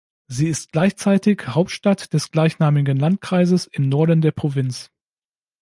Sie ist gleichzeitig Hauptstadt des gleichnamigen Landkreises im Norden der Provinz.